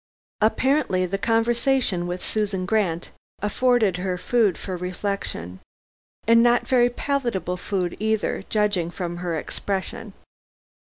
Apparently the conversation with Susan Grant afforded her food for reflection. And not very palatable food either, judging from her expression.